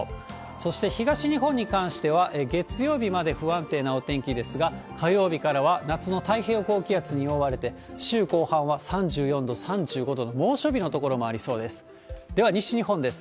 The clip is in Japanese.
そして東日本に関しては、月曜日まで不安定なお天気ですが、火曜日からは夏の太平洋高気圧に覆われて、週後半は３４度、３５度の猛暑日の所もありそうです。